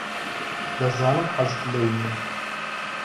دەزانم حەزت لەو نییە.